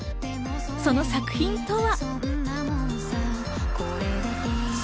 その作品とは。